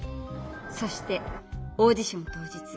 そしてオーディション当日。